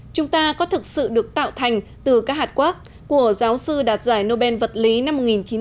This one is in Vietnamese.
chúng ta có thực sự được tạo thành từ các hạt quá của giáo sư đạt giải nobel vật lý năm một nghìn chín trăm tám mươi